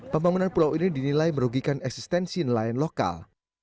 pembangunan pulau ini dinilai merugikan eksistensi nelayan lokal